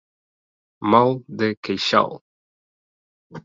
Mal de queixal.